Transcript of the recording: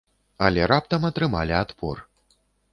Але раптам атрымалі адпор.